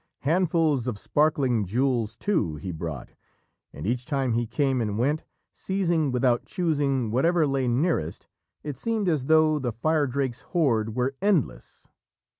Handfuls of sparkling jewels, too, he brought, and each time he came and went, seizing without choosing, whatever lay nearest, it seemed as though the Firedrake's hoard were endless.